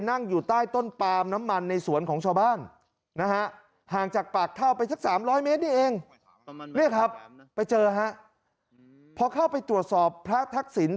นี่ครับไปเจอฮะพอเข้าไปตรวจสอบพระทักษิณธรรม